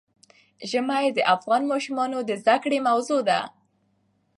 ژمی د افغان ماشومانو د زده کړې موضوع ده.